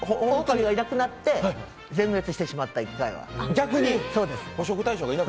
狼がいなくなって一回全滅してしまった。